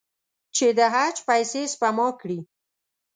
چې د حج پیسې سپما کړي.